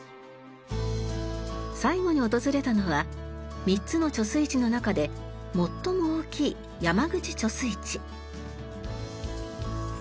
最後に訪れたのは３つの貯水池の中で最も大きい山口貯水池。